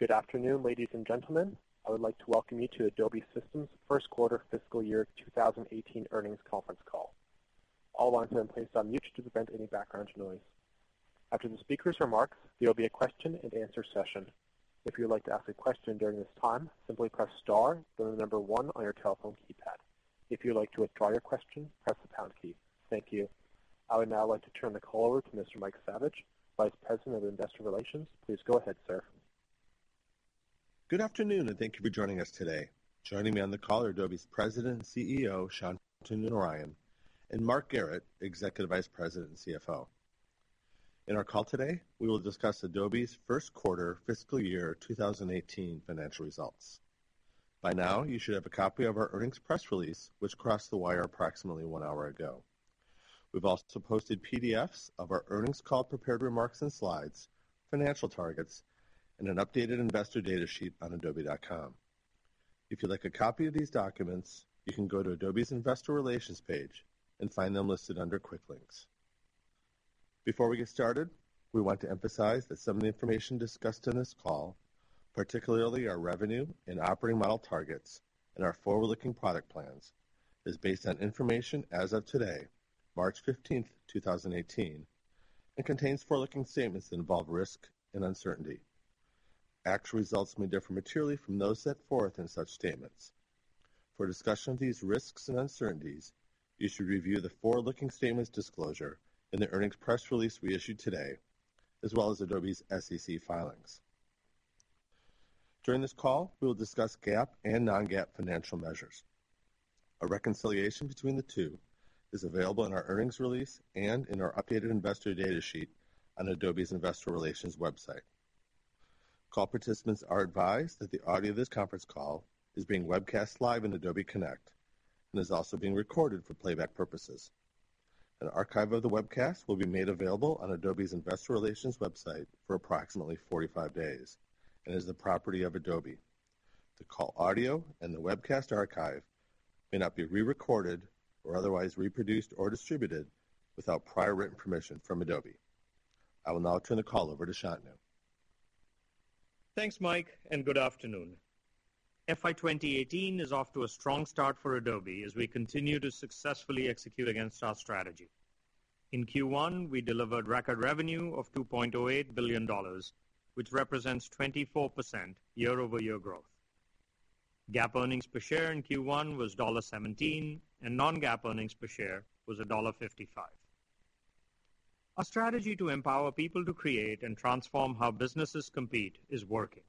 Good afternoon, ladies and gentlemen. I would like to welcome you to Adobe Systems' first quarter fiscal year 2018 earnings conference call. All lines have been placed on mute to prevent any background noise. After the speakers' remarks, there will be a question and answer session. If you would like to ask a question during this time, simply press star, then the number 1 on your telephone keypad. If you would like to withdraw your question, press the pound key. Thank you. I would now like to turn the call over to Mr. Mike Saviage, Vice President of Investor Relations. Please go ahead, sir. Thank you for joining us today. Joining me on the call are Adobe's President and CEO, Shantanu Narayen, and Mark Garrett, Executive Vice President and CFO. In our call today, we will discuss Adobe's first quarter fiscal year 2018 financial results. By now, you should have a copy of our earnings press release, which crossed the wire approximately one hour ago. We've also posted PDFs of our earnings call prepared remarks and slides, financial targets, and an updated investor data sheet on adobe.com. If you'd like a copy of these documents, you can go to Adobe's investor relations page and find them listed under Quick Links. Before we get started, we want to emphasize that some of the information discussed on this call, particularly our revenue and operating model targets and our forward-looking product plans, is based on information as of today, March 15th, 2018, and contains forward-looking statements that involve risk and uncertainty. Actual results may differ materially from those set forth in such statements. For a discussion of these risks and uncertainties, you should review the forward-looking statements disclosure in the earnings press release we issued today, as well as Adobe's SEC filings. During this call, we will discuss GAAP and non-GAAP financial measures. A reconciliation between the two is available in our earnings release and in our updated investor data sheet on Adobe's investor relations website. Call participants are advised that the audio of this conference call is being webcast live on Adobe Connect and is also being recorded for playback purposes. An archive of the webcast will be made available on Adobe's investor relations website for approximately 45 days and is the property of Adobe. The call audio and the webcast archive may not be re-recorded or otherwise reproduced or distributed without prior written permission from Adobe. I will now turn the call over to Shantanu. Thanks, Mike, and good afternoon. FY 2018 is off to a strong start for Adobe as we continue to successfully execute against our strategy. In Q1, we delivered record revenue of $2.08 billion, which represents 24% year-over-year growth. GAAP earnings per share in Q1 was $1.17, and non-GAAP earnings per share was $1.55. Our strategy to empower people to create and transform how businesses compete is working.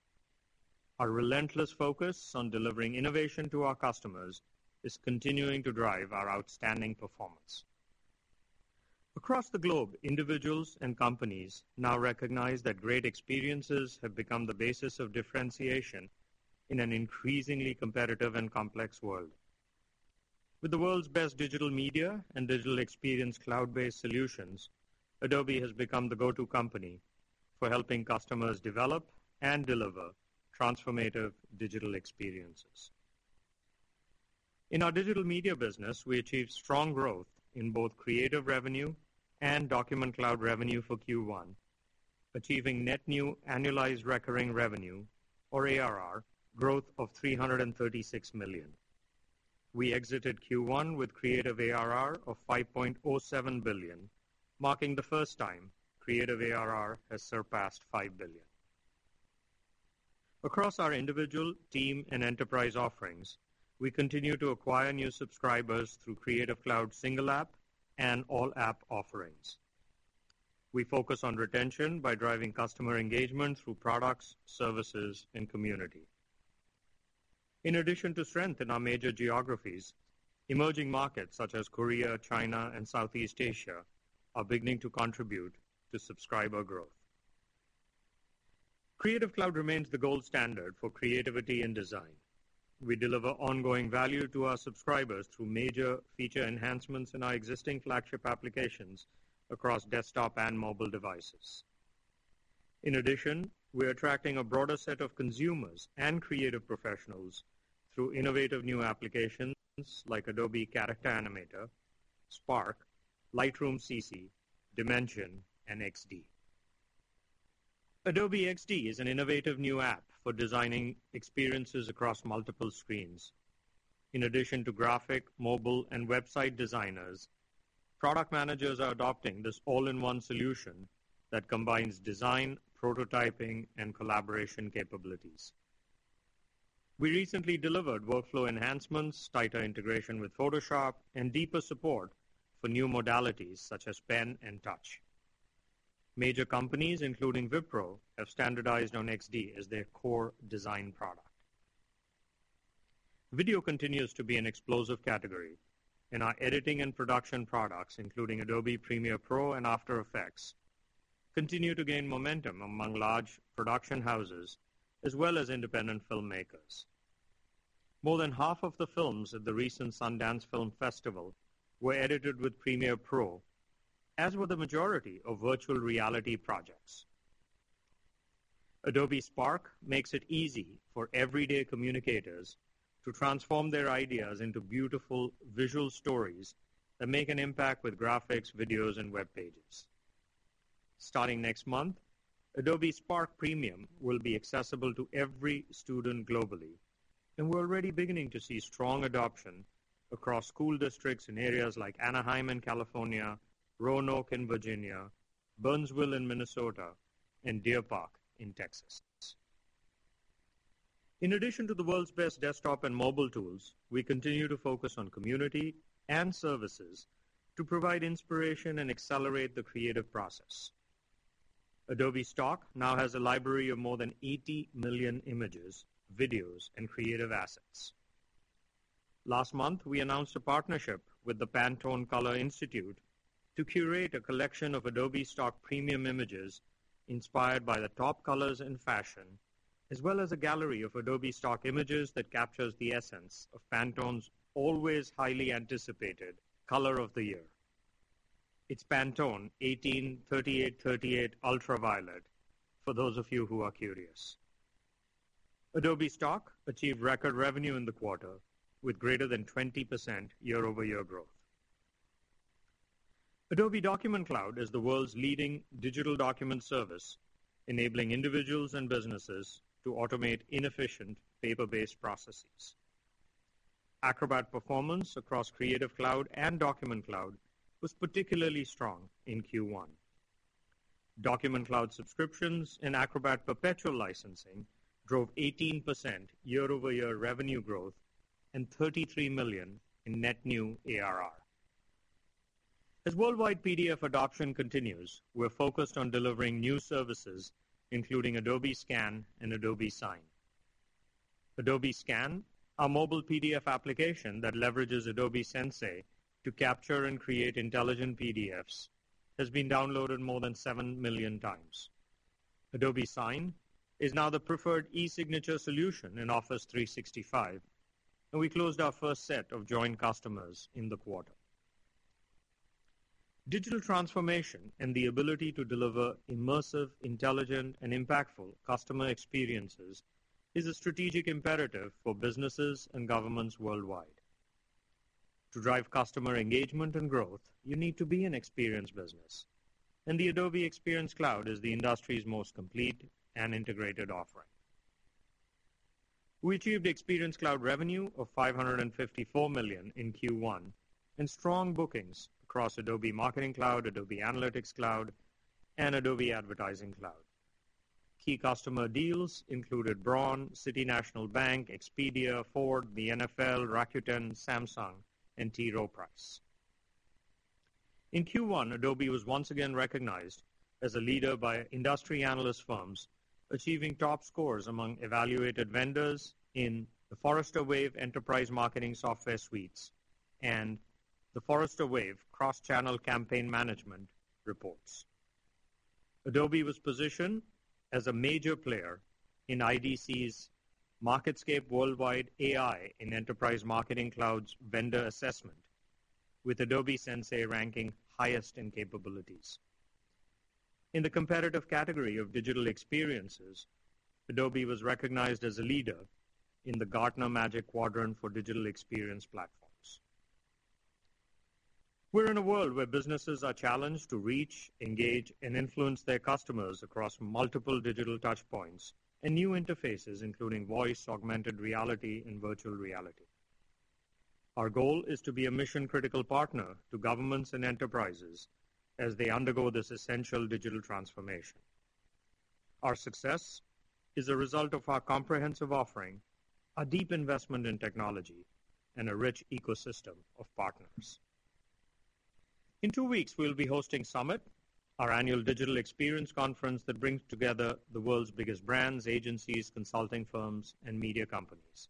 Our relentless focus on delivering innovation to our customers is continuing to drive our outstanding performance. Across the globe, individuals and companies now recognize that great experiences have become the basis of differentiation in an increasingly competitive and complex world. With the world's best digital media and digital experience cloud-based solutions, Adobe has become the go-to company for helping customers develop and deliver transformative digital experiences. In our digital media business, we achieved strong growth in both Creative revenue and Document Cloud revenue for Q1, achieving net new annualized recurring revenue, or ARR, growth of $336 million. We exited Q1 with Creative ARR of $5.07 billion, marking the first time Creative ARR has surpassed $5 billion. Across our individual team and enterprise offerings, we continue to acquire new subscribers through Creative Cloud Single App and all app offerings. We focus on retention by driving customer engagement through products, services, and community. In addition to strength in our major geographies, emerging markets such as Korea, China, and Southeast Asia are beginning to contribute to subscriber growth. Creative Cloud remains the gold standard for creativity and design. We deliver ongoing value to our subscribers through major feature enhancements in our existing flagship applications across desktop and mobile devices. In addition, we are attracting a broader set of consumers and creative professionals through innovative new applications like Adobe Character Animator, Spark, Lightroom CC, Dimension, and XD. Adobe XD is an innovative new app for designing experiences across multiple screens. In addition to graphic, mobile, and website designers, product managers are adopting this all-in-one solution that combines design, prototyping, and collaboration capabilities. We recently delivered workflow enhancements, tighter integration with Photoshop, and deeper support for new modalities such as pen and touch. Major companies, including Wipro, have standardized on XD as their core design product. Video continues to be an explosive category, and our editing and production products, including Adobe Premiere Pro and After Effects, continue to gain momentum among large production houses, as well as independent filmmakers. More than half of the films at the recent Sundance Film Festival were edited with Premiere Pro, as were the majority of virtual reality projects. Adobe Spark makes it easy for everyday communicators to transform their ideas into beautiful visual stories that make an impact with graphics, videos, and web pages. Starting next month, Adobe Spark Premium will be accessible to every student globally, and we're already beginning to see strong adoption across school districts in areas like Anaheim in California, Roanoke in Virginia, Burnsville in Minnesota, and Deer Park in Texas. In addition to the world's best desktop and mobile tools, we continue to focus on community and services to provide inspiration and accelerate the creative process. Adobe Stock now has a library of more than 80 million images, videos, and creative assets. Last month, we announced a partnership with the Pantone Color Institute to curate a collection of Adobe Stock premium images inspired by the top colors in fashion, as well as a gallery of Adobe Stock images that captures the essence of Pantone's always highly anticipated color of the year. It's Pantone 18-3838 Ultra Violet, for those of you who are curious. Adobe Stock achieved record revenue in the quarter with greater than 20% year-over-year growth. Adobe Document Cloud is the world's leading digital document service, enabling individuals and businesses to automate inefficient paper-based processes. Acrobat performance across Creative Cloud and Document Cloud was particularly strong in Q1. Document Cloud subscriptions and Acrobat perpetual licensing drove 18% year-over-year revenue growth and $33 million in net new ARR. As worldwide PDF adoption continues, we're focused on delivering new services, including Adobe Scan and Adobe Sign. Adobe Scan, our mobile PDF application that leverages Adobe Sensei to capture and create intelligent PDFs, has been downloaded more than seven million times. Adobe Sign is now the preferred e-signature solution in Office 365. We closed our first set of joint customers in the quarter. Digital transformation and the ability to deliver immersive, intelligent, and impactful customer experiences is a strategic imperative for businesses and governments worldwide. To drive customer engagement and growth, you need to be an experience business. The Adobe Experience Cloud is the industry's most complete and integrated offering. We achieved Experience Cloud revenue of $554 million in Q1 and strong bookings across Adobe Marketing Cloud, Adobe Analytics Cloud, and Adobe Advertising Cloud. Key customer deals included Braun, City National Bank, Expedia, Ford, the NFL, Rakuten, Samsung, and T. Rowe Price. In Q1, Adobe was once again recognized as a leader by industry analyst firms, achieving top scores among evaluated vendors in the Forrester Wave enterprise marketing software suites and the Forrester Wave cross-channel campaign management reports. Adobe was positioned as a major player in IDC's MarketScape Worldwide AI in Enterprise Marketing Clouds vendor assessment, with Adobe Sensei ranking highest in capabilities. In the competitive category of digital experiences, Adobe was recognized as a leader in the Gartner Magic Quadrant for Digital Experience Platforms. We're in a world where businesses are challenged to reach, engage, and influence their customers across multiple digital touchpoints and new interfaces, including voice, augmented reality, and virtual reality. Our goal is to be a mission-critical partner to governments and enterprises as they undergo this essential digital transformation. Our success is a result of our comprehensive offering, a deep investment in technology, and a rich ecosystem of partners. In two weeks, we'll be hosting Summit, our annual digital experience conference that brings together the world's biggest brands, agencies, consulting firms, and media companies.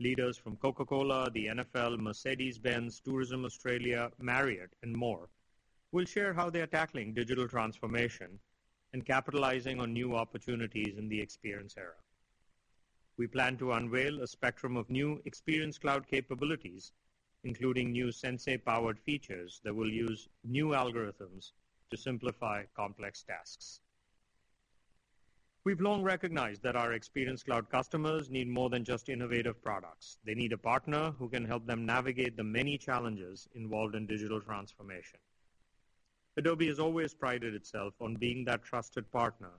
Leaders from Coca-Cola, the NFL, Mercedes-Benz, Tourism Australia, Marriott, and more will share how they're tackling digital transformation and capitalizing on new opportunities in the experience era. We plan to unveil a spectrum of new Experience Cloud capabilities, including new Sensei-powered features that will use new algorithms to simplify complex tasks. We've long recognized that our Experience Cloud customers need more than just innovative products. They need a partner who can help them navigate the many challenges involved in digital transformation. Adobe has always prided itself on being that trusted partner.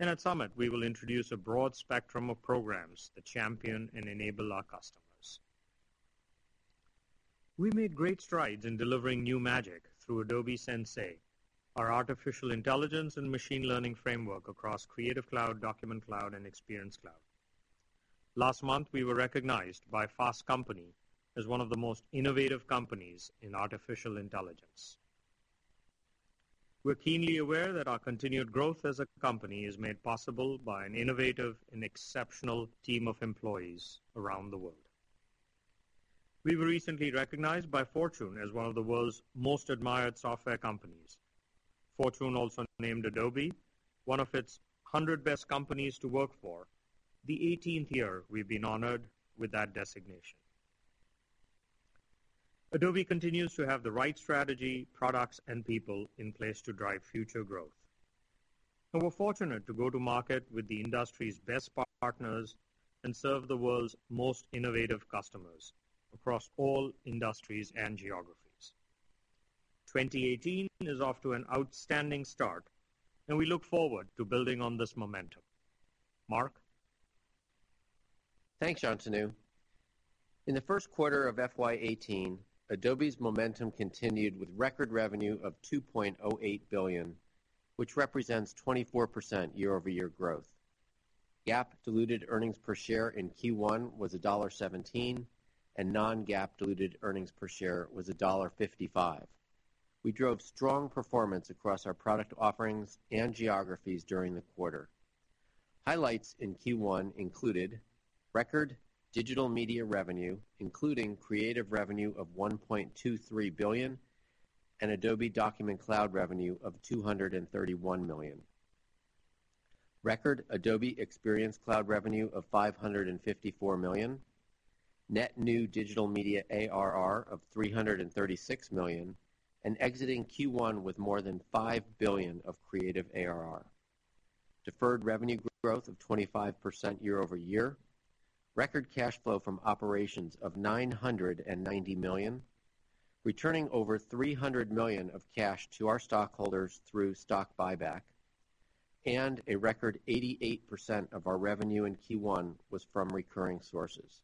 At Summit, we will introduce a broad spectrum of programs that champion and enable our customers. We made great strides in delivering new magic through Adobe Sensei, our artificial intelligence and machine learning framework across Creative Cloud, Document Cloud, and Experience Cloud. Last month, we were recognized by Fast Company as one of the most innovative companies in artificial intelligence. We're keenly aware that our continued growth as a company is made possible by an innovative and exceptional team of employees around the world. We were recently recognized by Fortune as one of the world's most admired software companies. Fortune also named Adobe one of its 100 best companies to work for, the 18th year we've been honored with that designation. Adobe continues to have the right strategy, products, and people in place to drive future growth. We're fortunate to go to market with the industry's best partners and serve the world's most innovative customers across all industries and geographies. 2018 is off to an outstanding start, and we look forward to building on this momentum. Mark? Thanks, Shantanu. In the first quarter of FY 2018, Adobe's momentum continued with record revenue of $2.08 billion, which represents 24% year-over-year growth. GAAP diluted earnings per share in Q1 was $1.17, and non-GAAP diluted earnings per share was $1.55. We drove strong performance across our product offerings and geographies during the quarter. Highlights in Q1 included record Digital Media revenue, including Creative revenue of $1.23 billion, and Adobe Document Cloud revenue of $231 million. Record Adobe Experience Cloud revenue of $554 million, net new Digital Media ARR of $336 million, and exiting Q1 with more than $5 billion of Creative ARR. Deferred revenue growth of 25% year-over-year, record cash flow from operations of $990 million, returning over $300 million of cash to our stockholders through stock buyback, and a record 88% of our revenue in Q1 was from recurring sources.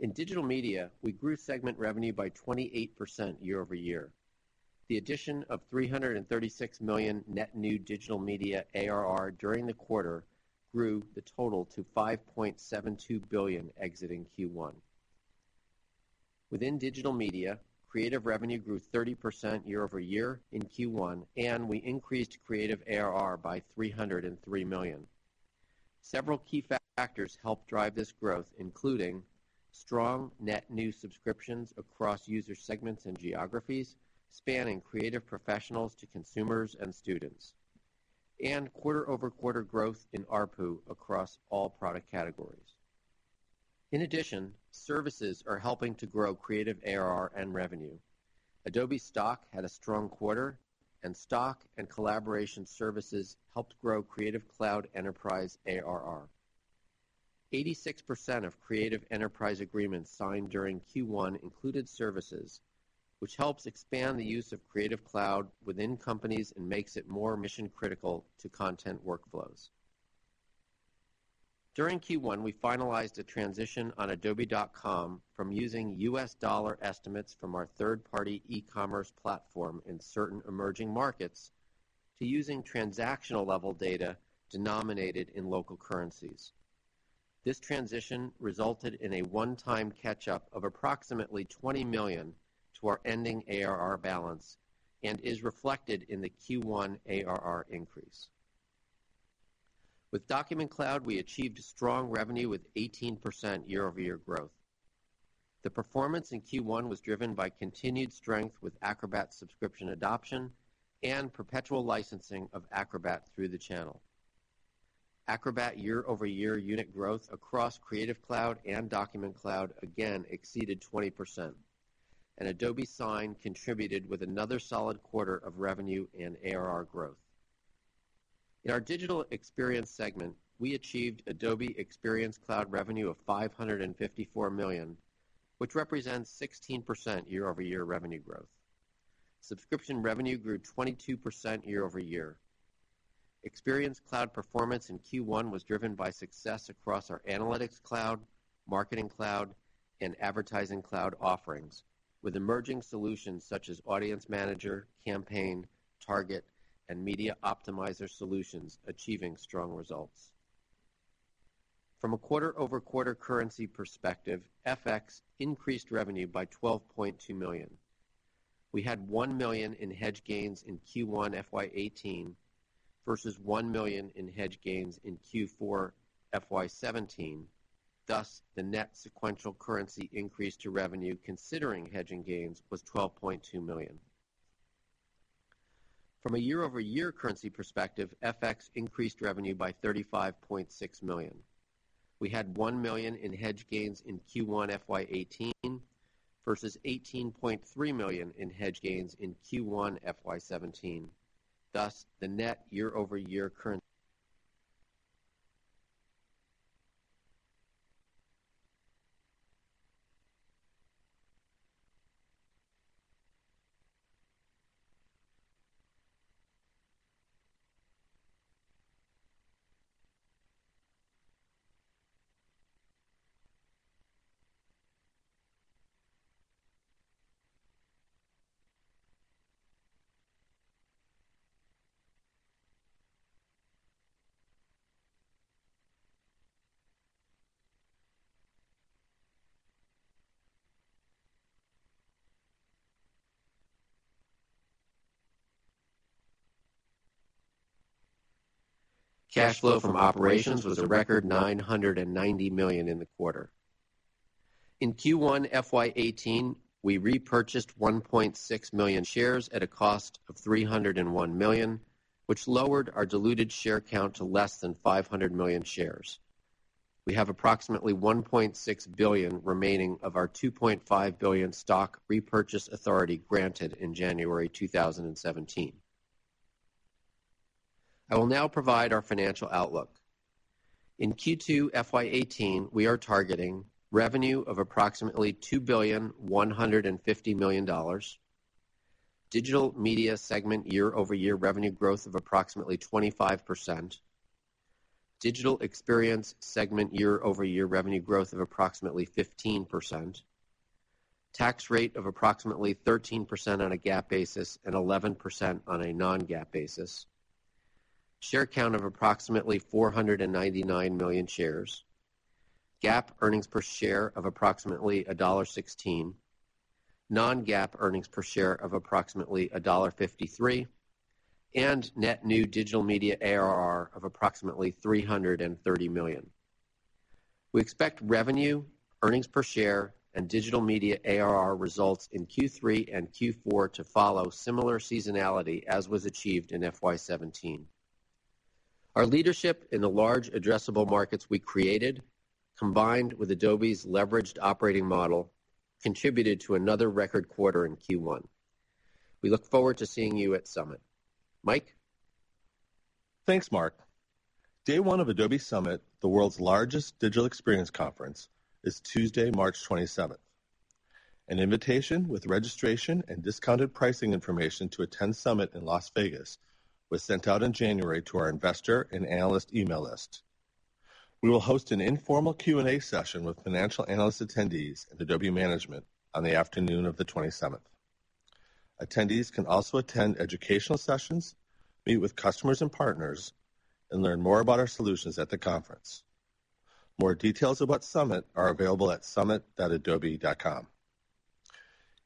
In Digital Media, we grew segment revenue by 28% year-over-year. The addition of $336 million net new Digital Media ARR during the quarter grew the total to $5.72 billion exiting Q1. Within Digital Media, Creative revenue grew 30% year-over-year in Q1, and we increased Creative ARR by $303 million. Several key factors helped drive this growth, including strong net new subscriptions across user segments and geographies, spanning creative professionals to consumers and students, and quarter-over-quarter growth in ARPU across all product categories. In addition, services are helping to grow Creative ARR and revenue. Adobe Stock had a strong quarter, and Stock and collaboration services helped grow Creative Cloud Enterprise ARR. 86% of Creative Enterprise agreements signed during Q1 included services, which helps expand the use of Creative Cloud within companies and makes it more mission-critical to content workflows. During Q1, we finalized a transition on adobe.com from using U.S. dollar estimates from our third-party e-commerce platform in certain emerging markets to using transactional level data denominated in local currencies. This transition resulted in a one-time catch-up of approximately $20 million to our ending ARR balance and is reflected in the Q1 ARR increase. With Document Cloud, we achieved strong revenue with 18% year-over-year growth. The performance in Q1 was driven by continued strength with Acrobat subscription adoption and perpetual licensing of Acrobat through the channel. Acrobat year-over-year unit growth across Creative Cloud and Document Cloud again exceeded 20%. Adobe Sign contributed with another solid quarter of revenue and ARR growth. In our Digital Experience segment, we achieved Adobe Experience Cloud revenue of $554 million, which represents 16% year-over-year revenue growth. Subscription revenue grew 22% year-over-year. Experience Cloud performance in Q1 was driven by success across our Analytics Cloud, Marketing Cloud, and Advertising Cloud offerings, with emerging solutions such as Audience Manager, Campaign, Target, and Media Optimizer solutions achieving strong results. From a quarter-over-quarter currency perspective, FX increased revenue by $12.2 million. We had $1 million in hedge gains in Q1 FY 2018 versus $1 million in hedge gains in Q4 FY 2017. Thus, the net sequential currency increase to revenue considering hedging gains was $12.2 million. From a year-over-year currency perspective, FX increased revenue by $35.6 million. We had $1 million in hedge gains in Q1 FY 2018 versus $18.3 million in hedge gains in Q1 FY 2017. Thus, the net year-over-year currency. Cash flow from operations was a record $990 million in the quarter. In Q1 FY 2018, we repurchased 1.6 million shares at a cost of $301 million, which lowered our diluted share count to less than 500 million shares. We have approximately $1.6 billion remaining of our $2.5 billion stock repurchase authority granted in January 2017. I will now provide our financial outlook. In Q2 FY 2018, we are targeting revenue of approximately $2.15 billion. Digital Media segment year-over-year revenue growth of approximately 25%. Digital Experience segment year-over-year revenue growth of approximately 15%. Tax rate of approximately 13% on a GAAP basis and 11% on a non-GAAP basis. Share count of approximately 499 million shares. GAAP earnings per share of approximately $1.16. Non-GAAP earnings per share of approximately $1.53, and net new Digital Media ARR of approximately $330 million. We expect revenue, earnings per share, and Digital Media ARR results in Q3 and Q4 to follow similar seasonality as was achieved in FY 2017. Our leadership in the large addressable markets we created, combined with Adobe's leveraged operating model, contributed to another record quarter in Q1. We look forward to seeing you at Summit. Mike? Thanks, Mark. Day one of Adobe Summit, the world's largest digital experience conference, is Tuesday, March 27th. An invitation with registration and discounted pricing information to attend Summit in Las Vegas was sent out in January to our investor and analyst email list. We will host an informal Q&A session with financial analyst attendees and Adobe management on the afternoon of the 27th. Attendees can also attend educational sessions, meet with customers and partners, and learn more about our solutions at the conference. More details about Summit are available at summit.adobe.com.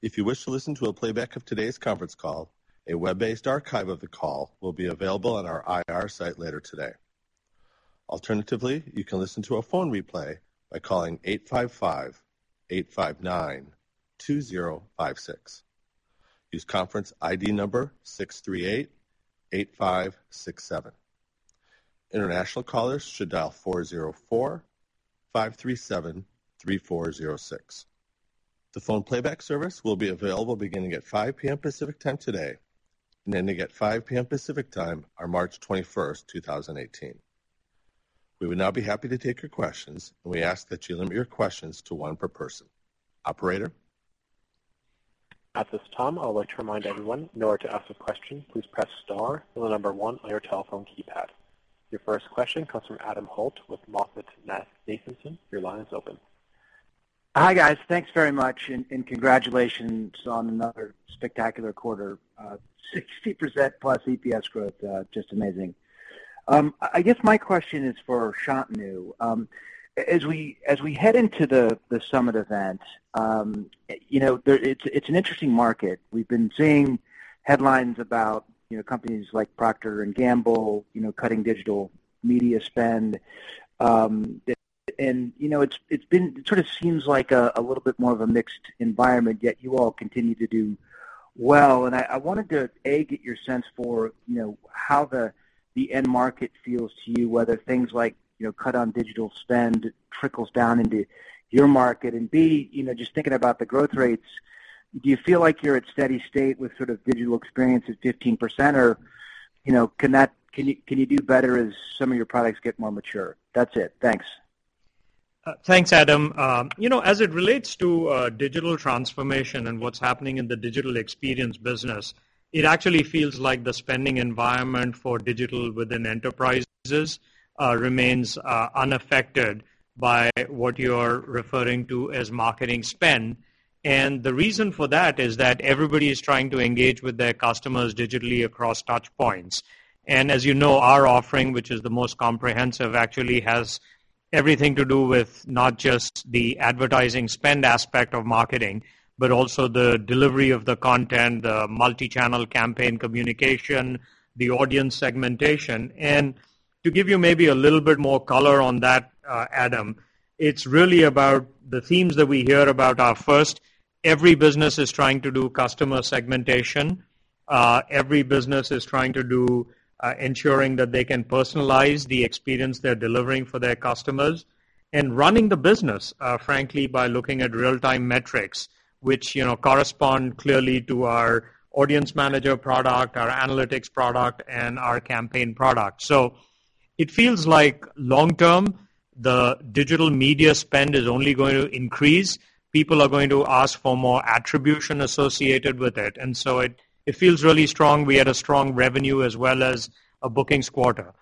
If you wish to listen to a playback of today's conference call, a web-based archive of the call will be available on our IR site later today. Alternatively, you can listen to a phone replay by calling 855-859-2056. Use conference ID number 6388567. International callers should dial 404-537-3406. The phone playback service will be available beginning at 5:00 P.M. Pacific Time today, and ending at 5:00 P.M. Pacific Time on March 21st, 2018. We would now be happy to take your questions, and we ask that you limit your questions to one per person. Operator? At this time, I would like to remind everyone, in order to ask a question, please press star, then the number one on your telephone keypad. Your first question comes from Adam Holt with MoffettNathanson. Your line is open. Hi, guys. Thanks very much, and congratulations on another spectacular quarter. 60%+ EPS growth, just amazing. I guess my question is for Shantanu. As we head into the Summit event, it's an interesting market. We've been seeing headlines about companies like Procter & Gamble cutting digital media spend. It sort of seems like a little bit more of a mixed environment, yet you all continue to do well. I wanted to, A, get your sense for how the end market feels to you, whether things like cut on digital spend trickles down into your market. B, just thinking about the growth rates, do you feel like you're at steady state with sort of Digital Experience at 15%? Can you do better as some of your products get more mature? That's it. Thanks. Thanks, Adam. As it relates to digital transformation and what's happening in the Digital Experience business, it actually feels like the spending environment for digital within enterprises remains unaffected by what you're referring to as marketing spend. The reason for that is that everybody is trying to engage with their customers digitally across touch points. As you know, our offering, which is the most comprehensive, actually has everything to do with not just the advertising spend aspect of marketing, but also the delivery of the content, the multi-channel campaign communication, the audience segmentation. To give you maybe a little bit more color on that, Adam, it's really about the themes that we hear about are first, every business is trying to do customer segmentation. Every business is trying to do ensuring that they can personalize the experience they're delivering for their customers. Running the business, frankly, by looking at real-time metrics, which correspond clearly to our Audience Manager product, our analytics product, and our Campaign product. It feels like long term, the digital media spend is only going to increase. People are going to ask for more attribution associated with it, and so it feels really strong. We had a strong revenue as well as a bookings quarter.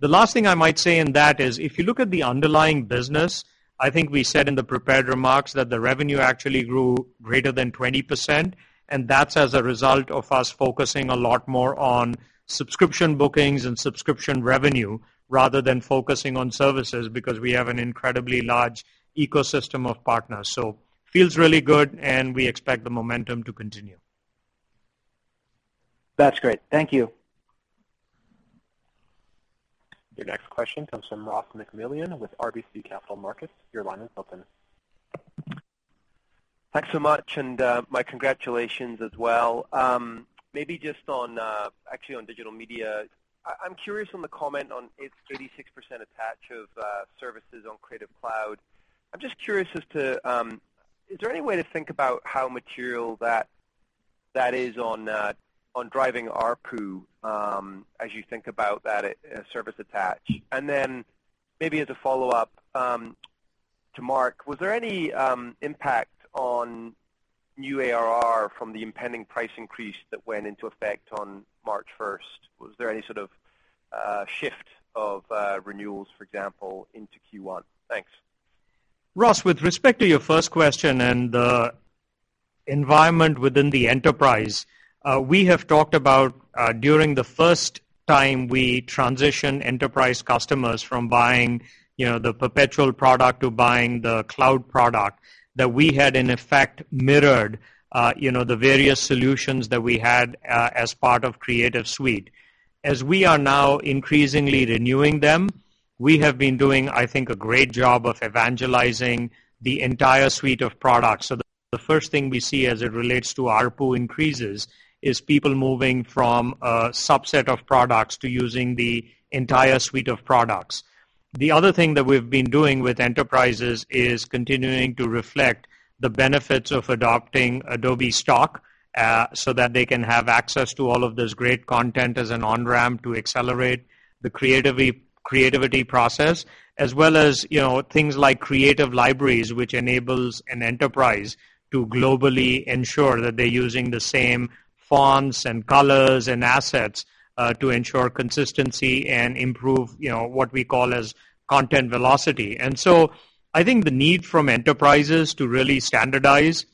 The last thing I might say in that is if you look at the underlying business, I think we said in the prepared remarks that the revenue actually grew greater than 20%, and that's as a result of us focusing a lot more on subscription bookings and subscription revenue rather than focusing on services, because we have an incredibly large ecosystem of partners. Feels really good, and we expect the momentum to continue. That's great. Thank you. Your next question comes from Ross MacMillan with RBC Capital Markets. Your line is open Thanks so much, and my congratulations as well. On digital media. I'm curious on the comment on its 36% attach of services on Creative Cloud. Is there any way to think about how material that is on driving ARPU as you think about that service attach? As a follow-up to Mark, was there any impact on new ARR from the impending price increase that went into effect on March 1st? Was there any sort of shift of renewals, for example, into Q1? Thanks. Ross, with respect to your first question and the environment within the enterprise, we have talked about during the first time we transitioned enterprise customers from buying the perpetual product to buying the cloud product, that we had, in effect, mirrored the various solutions that we had as part of Creative Suite. We are now increasingly renewing them, we have been doing, I think, a great job of evangelizing the entire suite of products. The other thing that we've been doing with enterprises is continuing to reflect the benefits of adopting Adobe Stock so that they can have access to all of this great content as an on-ramp to accelerate the creativity process. As well as things like Creative Libraries, which enables an enterprise to globally ensure that they're using the same fonts and colors and assets to ensure consistency and improve what we call content velocity. I think the need from enterprises to really standardize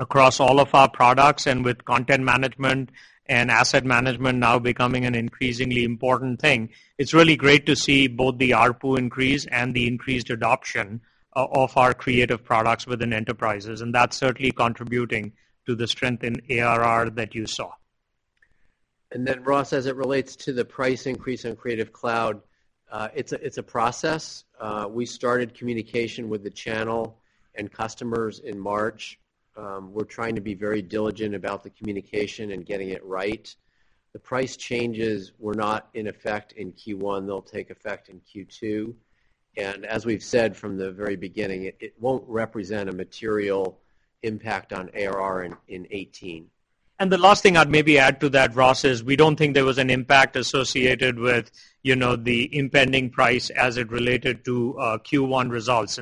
across all of our products, and with content management and asset management now becoming an increasingly important thing, it's really great to see both the ARPU increase and the increased adoption of our creative products within enterprises, and that's certainly contributing to the strength in ARR that you saw. Ross, as it relates to the price increase on Creative Cloud, it's a process. We started communication with the channel and customers in March. We're trying to be very diligent about the communication and getting it right. The price changes were not in effect in Q1. They'll take effect in Q2. As we've said from the very beginning, it won't represent a material impact on ARR in 2018. The last thing I'd maybe add to that, Ross, is we don't think there was an impact associated with the impending price as it related to Q1 results.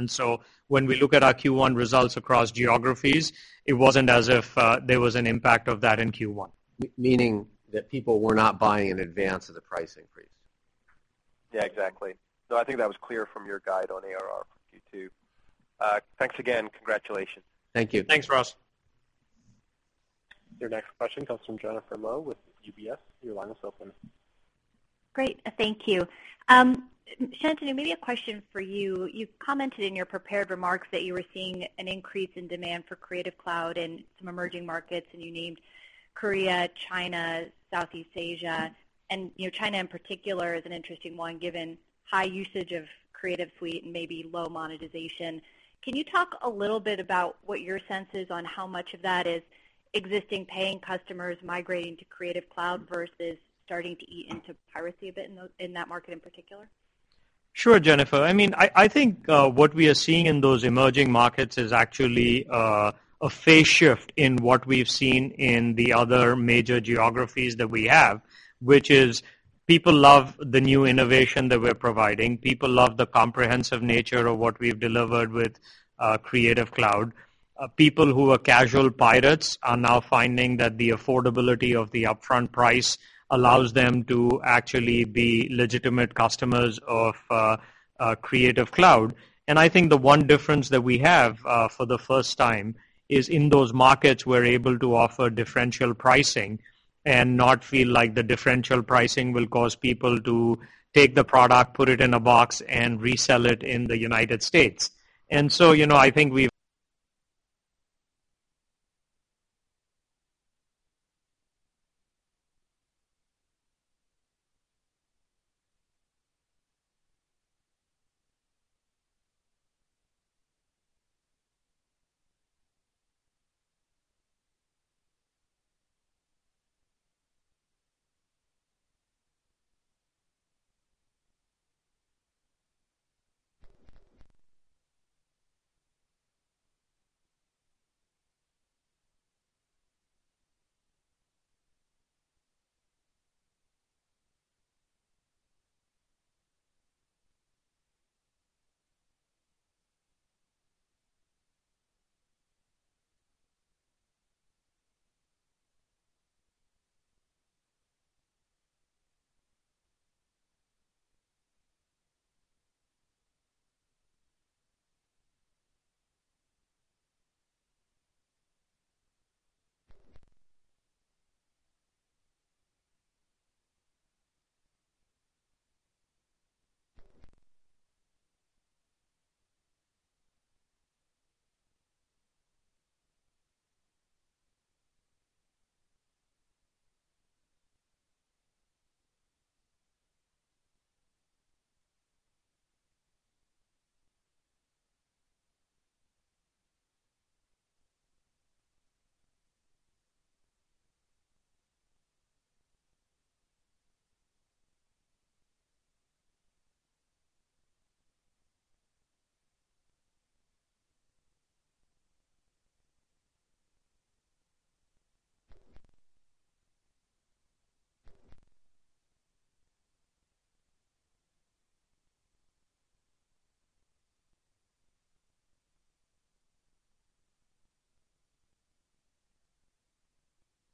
When we look at our Q1 results across geographies, it wasn't as if there was an impact of that in Q1. Meaning that people were not buying in advance of the price increase. Yeah, exactly. No, I think that was clear from your guide on ARR for Q2. Thanks again. Congratulations. Thank you. Thanks, Ross. Your next question comes from Jennifer Lowe with UBS. Your line is open. Great. Thank you. Shantanu, maybe a question for you. You commented in your prepared remarks that you were seeing an increase in demand for Creative Cloud in some emerging markets, and you named Korea, China, Southeast Asia. China in particular is an interesting one, given high usage of Creative Suite and maybe low monetization. Can you talk a little bit about what your sense is on how much of that is existing paying customers migrating to Creative Cloud versus starting to eat into piracy a bit in that market in particular? Sure, Jennifer. I think what we are seeing in those emerging markets is actually a phase shift in what we've seen in the other major geographies that we have, which is people love the new innovation that we're providing. People love the comprehensive nature of what we've delivered with Creative Cloud. People who are casual pirates are now finding that the affordability of the upfront price allows them to actually be legitimate customers of Creative Cloud. I think the one difference that we have for the first time is in those markets, we're able to offer differential pricing and not feel like the differential pricing will cause people to take the product, put it in a box, and resell it in the United States.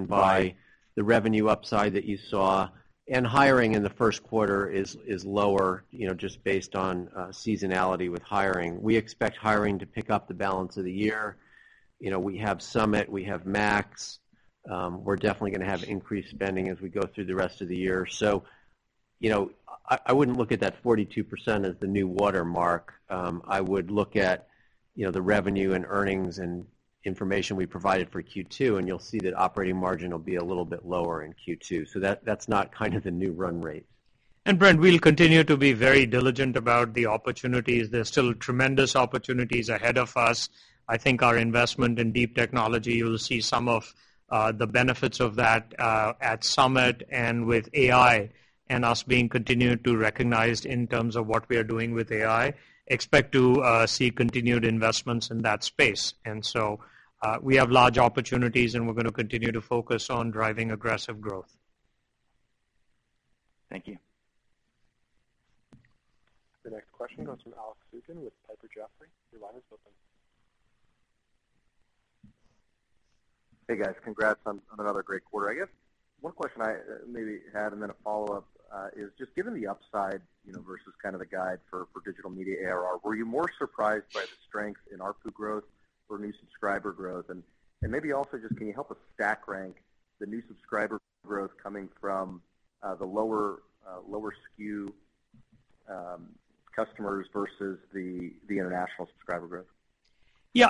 By the revenue upside that you saw, and hiring in the first quarter is lower, just based on seasonality with hiring. We expect hiring to pick up the balance of the year. We have Summit, we have MAX. We're definitely going to have increased spending as we go through the rest of the year. I wouldn't look at that 42% as the new watermark. I would look at the revenue and earnings and information we provided for Q2, and you'll see that operating margin will be a little bit lower in Q2. That's not kind of the new run rate. Brent, we'll continue to be very diligent about the opportunities. There's still tremendous opportunities ahead of us. I think our investment in deep technology, you'll see some of the benefits of that at Summit and with AI and us being continued to recognized in terms of what we are doing with AI. Expect to see continued investments in that space. We have large opportunities, and we're going to continue to focus on driving aggressive growth. Thank you. The next question goes to Alex Zukin with Piper Jaffray. Your line is open. Hey, guys. Congrats on another great quarter. I guess one question I maybe had and then a follow-up is just given the upside versus kind of the guide for Digital Media ARR, were you more surprised by the strength in ARPU growth or new subscriber growth? Maybe also just can you help us stack rank the new subscriber growth coming from the lower SKU customers versus the international subscriber growth?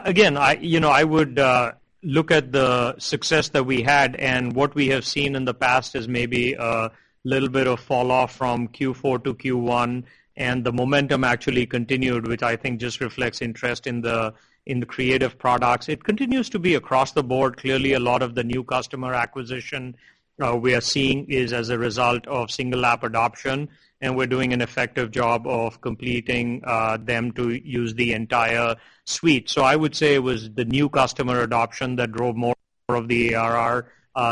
Again, I would look at the success that we had what we have seen in the past is maybe a little bit of fall off from Q4 to Q1, the momentum actually continued, which I think just reflects interest in the Creative products. It continues to be across the board. Clearly, a lot of the new customer acquisition we are seeing is as a result of single app adoption, we're doing an effective job of completing them to use the entire suite. I would say it was the new customer adoption that drove more of the ARR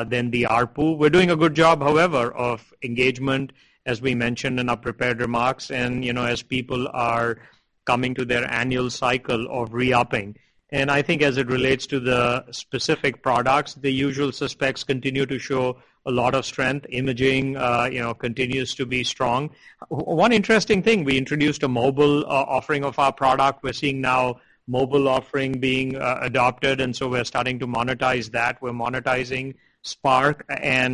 than the ARPU. We're doing a good job, however, of engagement, as we mentioned in our prepared remarks as people are coming to their annual cycle of re-upping. I think as it relates to the specific products, the usual suspects continue to show a lot of strength. Imaging continues to be strong. One interesting thing, we introduced a mobile offering of our product. We're seeing now mobile offering being adopted, we're starting to monetize that. We're monetizing Spark,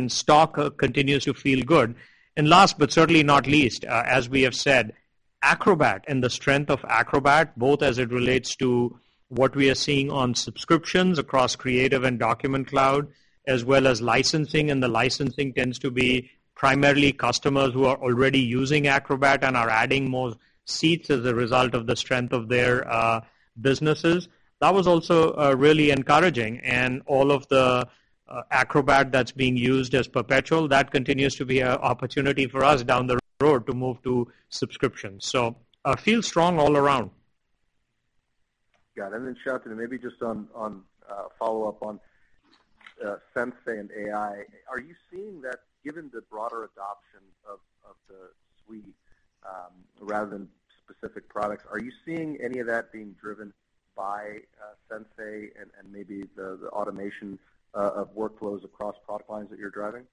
Stock continues to feel good. Last but certainly not least, as we have said, Acrobat and the strength of Acrobat, both as it relates to what we are seeing on subscriptions across Creative and Document Cloud, as well as licensing, the licensing tends to be primarily customers who are already using Acrobat and are adding more seats as a result of the strength of their businesses. That was also really encouraging, all of the Acrobat that's being used as perpetual, that continues to be an opportunity for us down the road to move to subscriptions. Feel strong all around. Got it. Then, Shantanu, maybe just a follow-up on Sensei and AI. Are you seeing that given the broader adoption of the suite, rather than specific products, are you seeing any of that being driven by Sensei and maybe the automation of workflows across product lines that you're driving?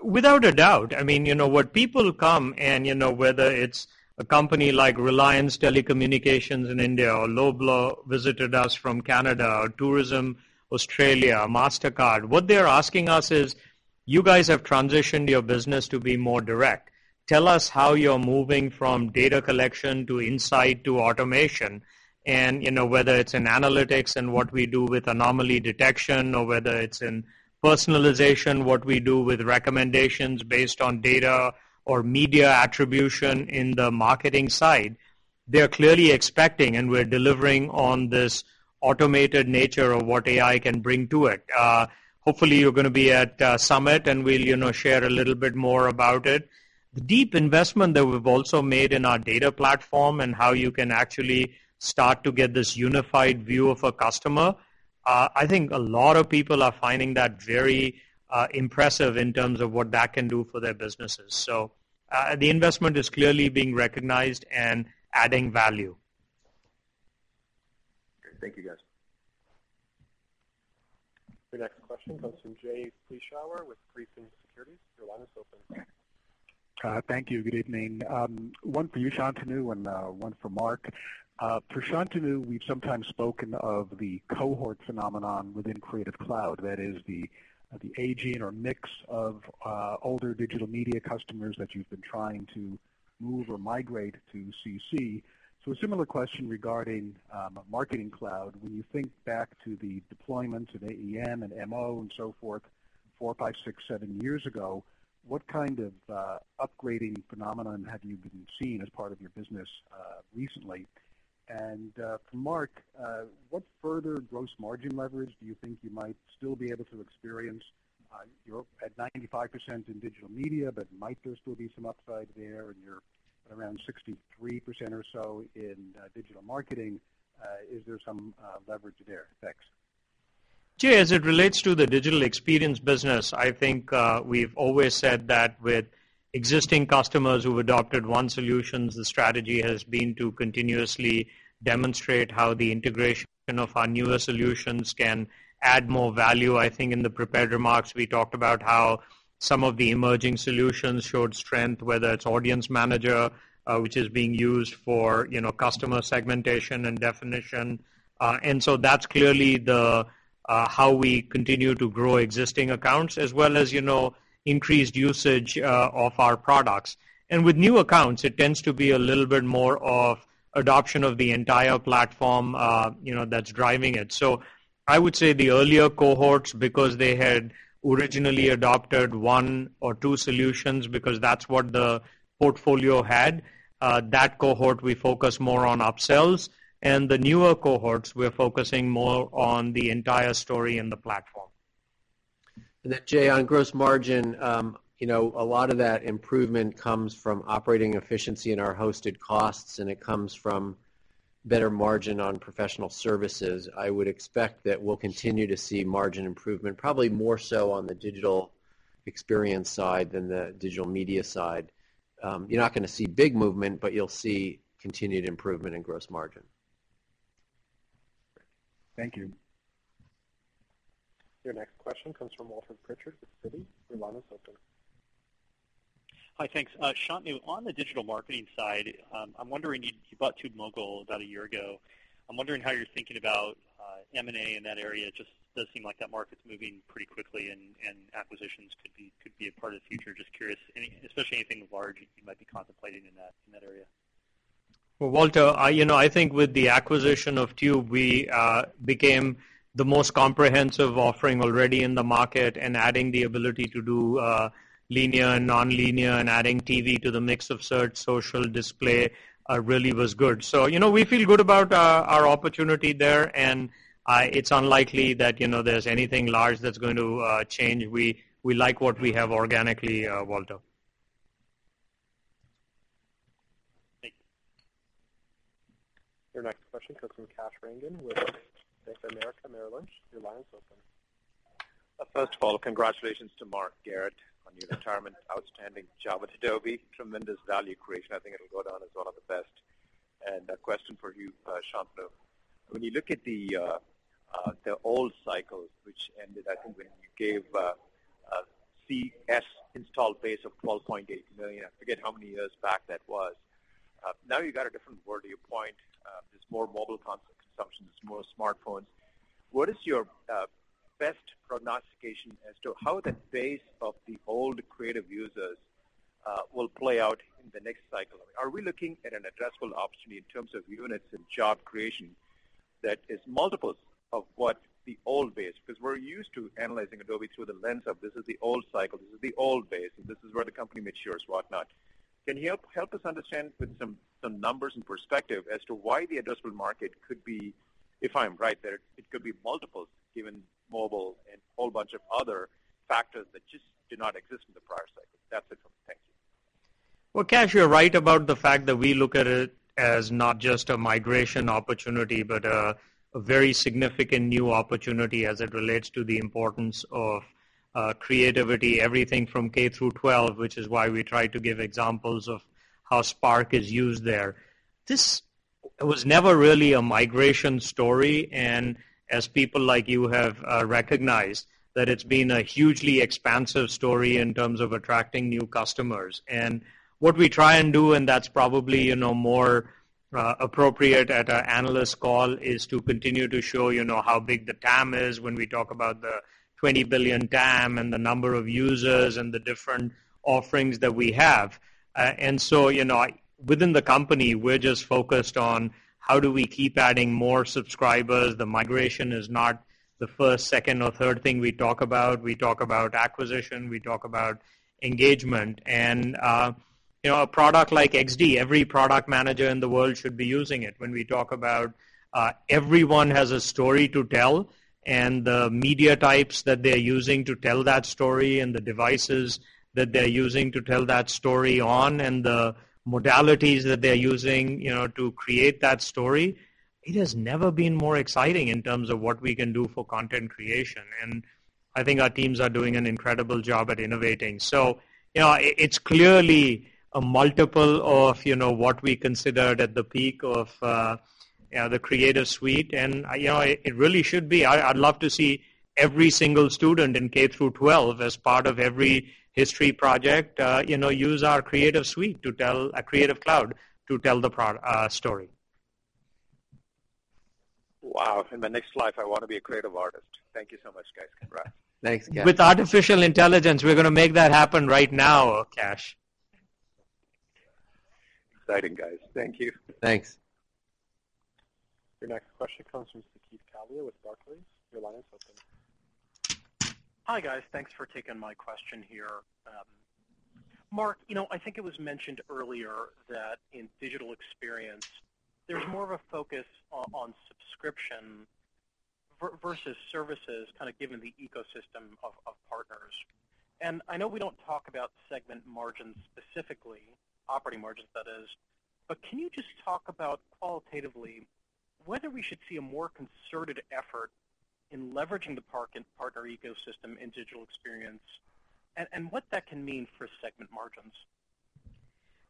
Without a doubt. What people come and whether it's a company like Reliance Communications in India or Loblaw visited us from Canada or Tourism Australia, Mastercard. What they're asking us is, "You guys have transitioned your business to be more direct. Tell us how you're moving from data collection to insight to automation." Whether it's in analytics and what we do with anomaly detection or whether it's in personalization, what we do with recommendations based on data or media attribution in the marketing side, they're clearly expecting, and we're delivering on this automated nature of what AI can bring to it. Hopefully, you're going to be at Summit, we'll share a little bit more about it. The deep investment that we've also made in our data platform and how you can actually start to get this unified view of a customer, I think a lot of people are finding that very impressive in terms of what that can do for their businesses. The investment is clearly being recognized and adding value. Okay. Thank you, guys. The next question goes to Jay Vleeschhouwer with Griffin Securities. Your line is open. Thank you. Good evening. One for you, Shantanu, and one for Mark. For Shantanu, we've sometimes spoken of the cohort phenomenon within Creative Cloud. That is the aging or mix of older digital media customers that you've been trying to move or migrate to CC. A similar question regarding Marketing Cloud. When you think back to the deployment of AEM and MO and so forth four, five, six, seven years ago, what kind of upgrading phenomenon have you been seeing as part of your business recently? For Mark, what further gross margin leverage do you think you might still be able to experience? You're at 95% in digital media, might there still be some upside there? You're at around 63% or so in digital marketing. Is there some leverage there? Thanks. Jay, as it relates to the digital experience business, I think we've always said that with existing customers who've adopted one solution, the strategy has been to continuously demonstrate how the integration of our newer solutions can add more value. I think in the prepared remarks, we talked about how some of the emerging solutions showed strength, whether it's Audience Manager, which is being used for customer segmentation and definition. That's clearly how we continue to grow existing accounts, as well as increased usage of our products. With new accounts, it tends to be a little bit more of adoption of the entire platform that's driving it. I would say the earlier cohorts, because they had originally adopted one or two solutions because that's what the portfolio had, that cohort we focus more on upsells. The newer cohorts, we're focusing more on the entire story in the platform. Jay, on gross margin, a lot of that improvement comes from operating efficiency in our hosted costs, and it comes from better margin on professional services. I would expect that we'll continue to see margin improvement, probably more so on the digital experience side than the digital media side. You're not going to see big movement, but you'll see continued improvement in gross margin. Thank you. Your next question comes from Walter Pritchard with Citi. Your line is open. Hi, thanks. Shantanu, on the digital marketing side, you bought TubeMogul about a year ago. I'm wondering how you're thinking about M&A in that area. It just does seem like that market's moving pretty quickly, and acquisitions could be a part of the future. Just curious, especially anything large that you might be contemplating in that area. Well, Walter, I think with the acquisition of Tube, we became the most comprehensive offering already in the market. Adding the ability to do linear and nonlinear and adding TV to the mix of search, social, display, really was good. We feel good about our opportunity there, and it's unlikely that there's anything large that's going to change. We like what we have organically, Walter. Thank you. Your next question comes from Kash Rangan with Bank of America Merrill Lynch. Your line is open. First of all, congratulations to Mark Garrett on your retirement. Outstanding job at Adobe. Tremendous value creation. I think it'll go down as one of the best. A question for you, Shantanu. When you look at the old cycle, which ended, I think, when you gave a CS install base of 12.8 million, I forget how many years back that was. Now you've got a different board to your point. There's more mobile consumption. There's more smartphones. What is your best prognostication as to how that base of the old creative users will play out in the next cycle? Are we looking at an addressable opportunity in terms of units and job creation that is multiples of what the old base? Because we're used to analyzing Adobe through the lens of this is the old cycle, this is the old base, and this is where the company matures, whatnot. Can you help us understand with some numbers and perspective as to why the addressable market could be, if I'm right, that it could be multiples given mobile and whole bunch of other factors that just did not exist in the prior cycle? That's it from me. Thank you. Well, Kash, you're right about the fact that we look at it as not just a migration opportunity, but a very significant new opportunity as it relates to the importance of creativity, everything from K through 12, which is why we try to give examples of how Spark is used there. This was never really a migration story. As people like you have recognized, it's been a hugely expansive story in terms of attracting new customers. What we try and do, and that's probably more appropriate at an analyst call, is to continue to show how big the TAM is when we talk about the $20 billion TAM and the number of users and the different offerings that we have. Within the company, we're just focused on how do we keep adding more subscribers. The migration is not the first, second, or third thing we talk about. We talk about acquisition, we talk about engagement. A product like XD, every product manager in the world should be using it. When we talk about everyone has a story to tell, and the media types that they're using to tell that story, and the devices that they're using to tell that story on, and the modalities that they're using to create that story, it has never been more exciting in terms of what we can do for content creation. I think our teams are doing an incredible job at innovating. It's clearly a multiple of what we considered at the peak of the Creative Suite, and it really should be. I'd love to see every single student in K through 12 as part of every history project use our Creative Cloud to tell the story. Wow. In my next life, I want to be a creative artist. Thank you so much, guys. Congrats. Thanks, Kash. With artificial intelligence, we're going to make that happen right now, Kash. Exciting, guys. Thank you. Thanks. Your next question comes from Saket Kalia with Barclays. Your line is open. Hi, guys. Thanks for taking my question here. Mark, I think it was mentioned earlier that in digital experience, there's more of a focus on subscription versus services, given the ecosystem of partners. I know we don't talk about segment margins specifically, operating margins that is, but can you just talk about qualitatively whether we should see a more concerted effort in leveraging the partner ecosystem in digital experience, and what that can mean for segment margins?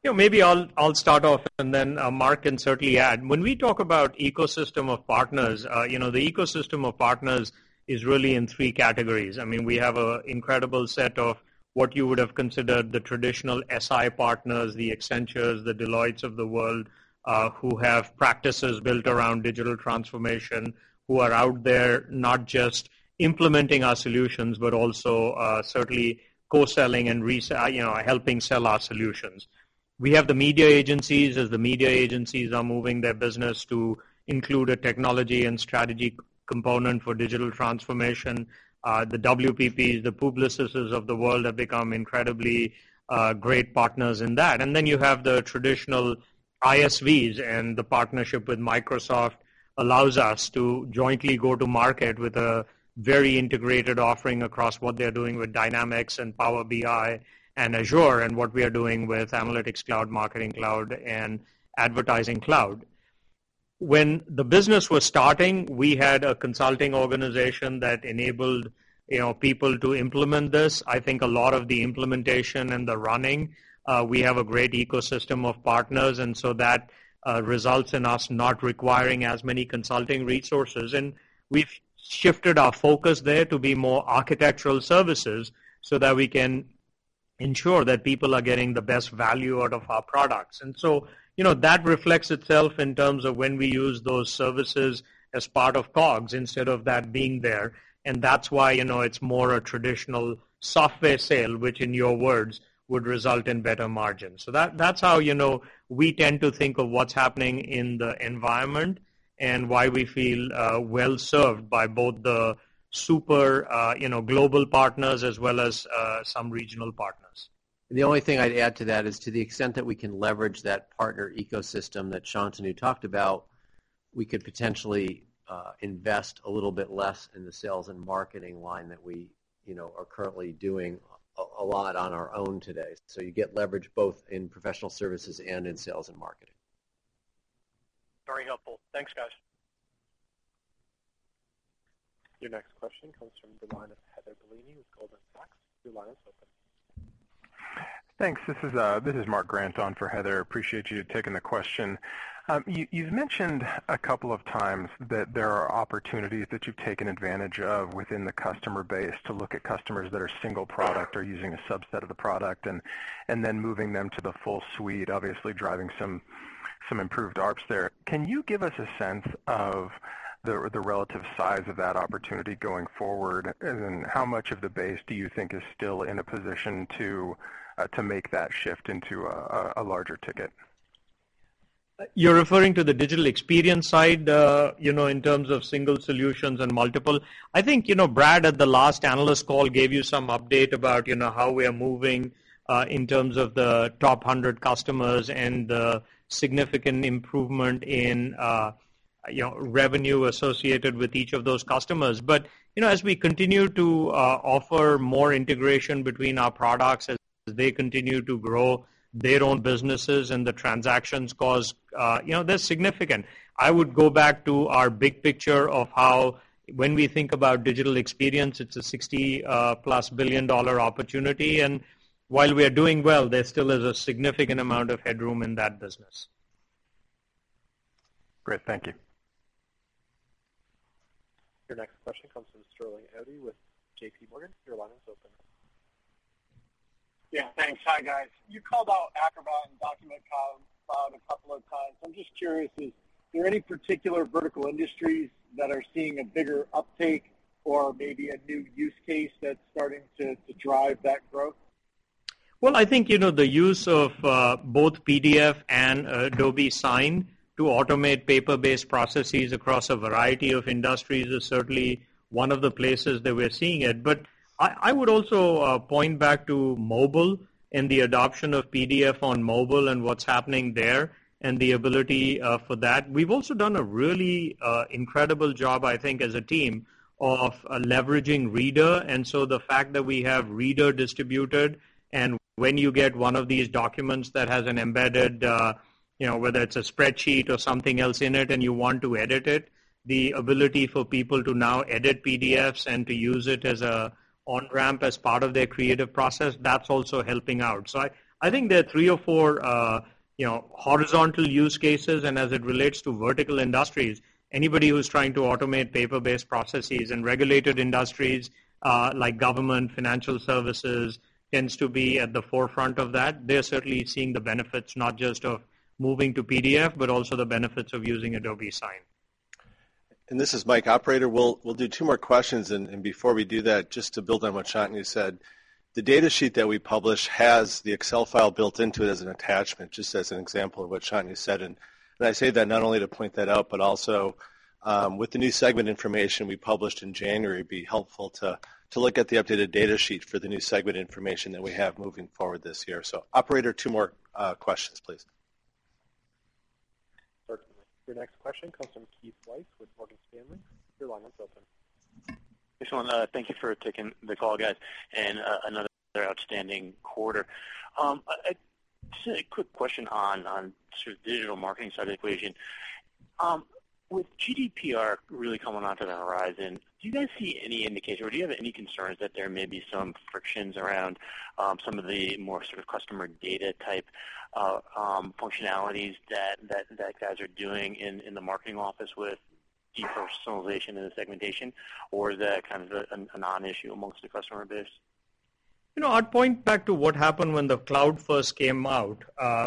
Maybe I'll start off, then Mark can certainly add. When we talk about ecosystem of partners, the ecosystem of partners is really in three categories. We have an incredible set of what you would have considered the traditional SI partners, the Accenture, the Deloitte of the world, who have practices built around digital transformation, who are out there not just implementing our solutions, but also certainly co-selling and helping sell our solutions. We have the media agencies, as the media agencies are moving their business to include a technology and strategy component for digital transformation. The WPP, the Publicis of the world have become incredibly great partners in that. You have the traditional ISVs, the partnership with Microsoft allows us to jointly go to market with a very integrated offering across what they're doing with Dynamics and Power BI and Azure, what we are doing with Analytics Cloud, Marketing Cloud, and Advertising Cloud. When the business was starting, we had a consulting organization that enabled people to implement this. I think a lot of the implementation and the running, we have a great ecosystem of partners, that results in us not requiring as many consulting resources. We've shifted our focus there to be more architectural services so that we can ensure that people are getting the best value out of our products. That reflects itself in terms of when we use those services as part of COGS instead of that being there, that's why it's more a traditional software sale, which in your words, would result in better margins. That's how we tend to think of what's happening in the environment and why we feel well-served by both the super global partners as well as some regional partners. The only thing I'd add to that is to the extent that we can leverage that partner ecosystem that Shantanu talked about, we could potentially invest a little bit less in the sales and marketing line that we are currently doing a lot on our own today. You get leverage both in professional services and in sales and marketing. Very helpful. Thanks, guys. Your next question comes from the line of Heather Bellini with Goldman Sachs. Your line is open. Thanks. This is Mark Grant on for Heather. Appreciate you taking the question. You've mentioned a couple of times that there are opportunities that you've taken advantage of within the customer base to look at customers that are single product or using a subset of the product, then moving them to the full suite, obviously driving some improved ARPS there. Can you give us a sense of the relative size of that opportunity going forward? Then how much of the base do you think is still in a position to make that shift into a larger ticket? You're referring to the digital experience side, in terms of single solutions and multiple? I think, Brad, at the last analyst call, gave you some update about how we are moving in terms of the top 100 customers and the significant improvement in revenue associated with each of those customers. As we continue to offer more integration between our products, as they continue to grow their own businesses and the transactions cost, they're significant. I would go back to our big picture of how when we think about digital experience, it's a $60-plus billion opportunity. While we are doing well, there still is a significant amount of headroom in that business. Great. Thank you. Your next question comes from Sterling Auty with JPMorgan. Your line is open. Yeah, thanks. Hi, guys. You called out Acrobat and Document Cloud a couple of times. I'm just curious, is there any particular vertical industries that are seeing a bigger uptake or maybe a new use case that's starting to drive that growth? I think, the use of both PDF and Adobe Sign to automate paper-based processes across a variety of industries is certainly one of the places that we're seeing it. I would also point back to mobile and the adoption of PDF on mobile and what's happening there, and the ability for that. We've also done a really incredible job, I think, as a team of leveraging Reader. The fact that we have Reader distributed, and when you get one of these documents that has an embedded, whether it's a spreadsheet or something else in it, and you want to edit it, the ability for people to now edit PDFs and to use it as an on-ramp as part of their creative process, that's also helping out. I think there are three or four horizontal use cases. As it relates to vertical industries, anybody who's trying to automate paper-based processes in regulated industries, like government, financial services, tends to be at the forefront of that. They're certainly seeing the benefits, not just of moving to PDF, but also the benefits of using Adobe Sign. This is Mike, operator. We'll do two more questions. Before we do that, just to build on what Shantanu said, the data sheet that we publish has the Excel file built into it as an attachment, just as an example of what Shantanu said. I say that not only to point that out, but also with the new segment information we published in January, it'd be helpful to look at the updated data sheet for the new segment information that we have moving forward this year. Operator, two more questions please. Certainly. Your next question comes from Keith Weiss with Morgan Stanley. Your line is open. Just want to thank you for taking the call, guys, and another outstanding quarter. Just a quick question on sort of digital marketing side of the equation. With GDPR really coming onto the horizon, do you guys see any indication, or do you have any concerns that there may be some frictions around some of the more sort of customer data type functionalities that you guys are doing in the marketing office with depersonalization and the segmentation, or is that kind of a non-issue amongst the customer base? I'd point back to what happened when the cloud first came out.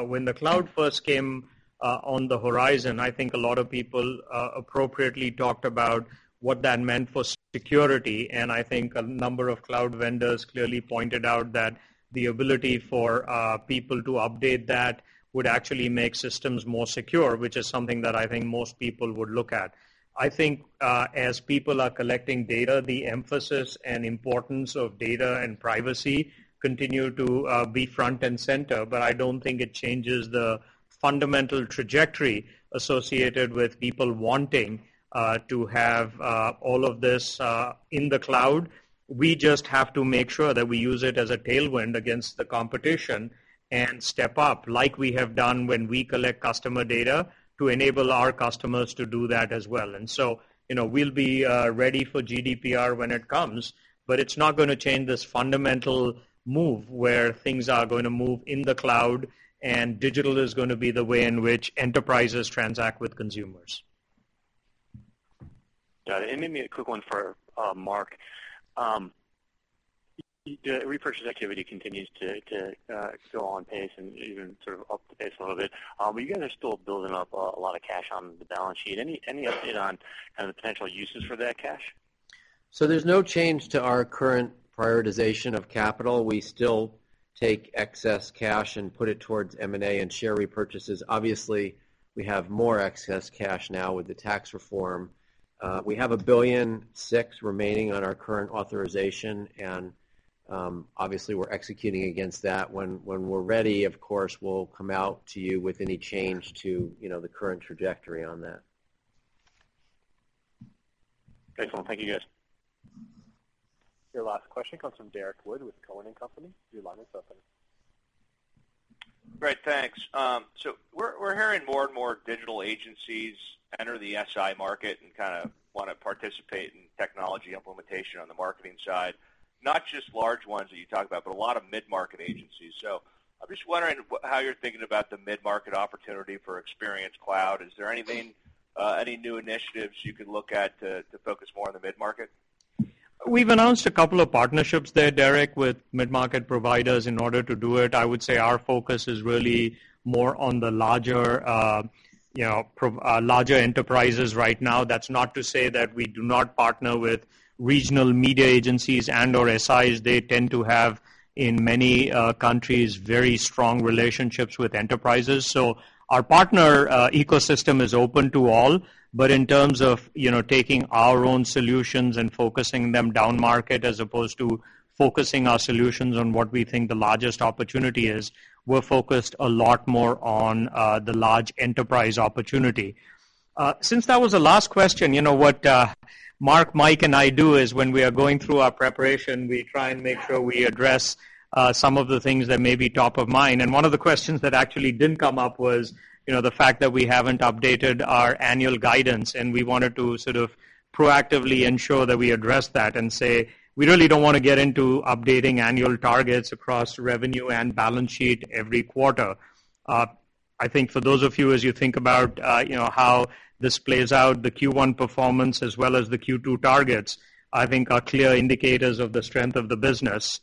When the cloud first came on the horizon, I think a lot of people appropriately talked about what that meant for security, and I think a number of cloud vendors clearly pointed out that the ability for people to update that would actually make systems more secure, which is something that I think most people would look at. I think as people are collecting data, the emphasis and importance of data and privacy continue to be front and center. I don't think it changes the fundamental trajectory associated with people wanting to have all of this in the cloud. We just have to make sure that we use it as a tailwind against the competition, and step up like we have done when we collect customer data to enable our customers to do that as well. We'll be ready for GDPR when it comes, but it's not going to change this fundamental move where things are going to move in the cloud and digital is going to be the way in which enterprises transact with consumers. Got it. Maybe a quick one for Mark. Repurchase activity continues to excel on pace and even sort of up the pace a little bit. You guys are still building up a lot of cash on the balance sheet. Any update on kind of the potential uses for that cash? There's no change to our current prioritization of capital. We still take excess cash and put it towards M&A and share repurchases. Obviously, we have more excess cash now with the tax reform. We have $1.6 billion remaining on our current authorization, and obviously, we're executing against that. When we're ready, of course, we'll come out to you with any change to the current trajectory on that. Excellent. Thank you, guys. Your last question comes from Derrick Wood with Cowen and Company. Your line is open. Great, thanks. We're hearing more and more digital agencies enter the SI market and kind of want to participate in technology implementation on the marketing side, not just large ones that you talk about, but a lot of mid-market agencies. I'm just wondering how you're thinking about the mid-market opportunity for Experience Cloud. Is there any new initiatives you can look at to focus more on the mid-market? We've announced a couple of partnerships there, Derrick, with mid-market providers in order to do it. I would say our focus is really more on the larger enterprises right now. That's not to say that we do not partner with regional media agencies and/or SIs. They tend to have, in many countries, very strong relationships with enterprises. Our partner ecosystem is open to all, but in terms of taking our own solutions and focusing them down market as opposed to focusing our solutions on what we think the largest opportunity is, we're focused a lot more on the large enterprise opportunity. Since that was the last question, what Mark, Mike, and I do is when we are going through our preparation, we try and make sure we address some of the things that may be top of mind. One of the questions that actually didn't come up was the fact that we haven't updated our annual guidance, and we wanted to sort of proactively ensure that we address that and say, we really don't want to get into updating annual targets across revenue and balance sheet every quarter. I think for those of you, as you think about how this plays out, the Q1 performance as well as the Q2 targets, I think are clear indicators of the strength of the business.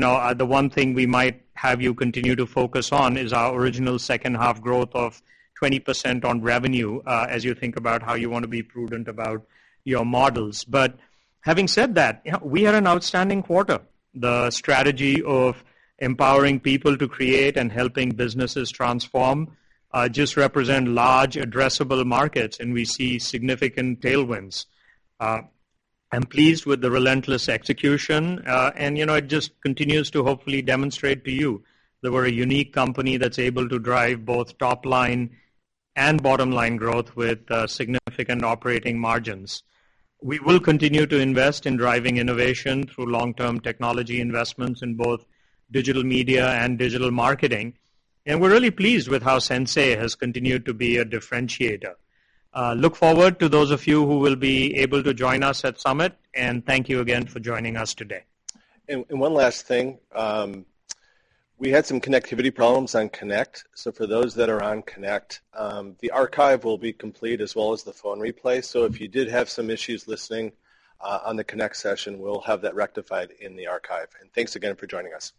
The one thing we might have you continue to focus on is our original second half growth of 20% on revenue, as you think about how you want to be prudent about your models. But having said that, we had an outstanding quarter. The strategy of empowering people to create and helping businesses transform just represent large addressable markets, and we see significant tailwinds. I'm pleased with the relentless execution, and it just continues to hopefully demonstrate to you that we're a unique company that's able to drive both top-line and bottom-line growth with significant operating margins. We will continue to invest in driving innovation through long-term technology investments in both digital media and digital marketing. We're really pleased with how Sensei has continued to be a differentiator. Look forward to those of you who will be able to join us at Summit, and thank you again for joining us today. One last thing. We had some connectivity problems on Connect. So for those that are on Connect, the archive will be complete as well as the phone replay. So if you did have some issues listening on the Connect session, we'll have that rectified in the archive. Thanks again for joining us.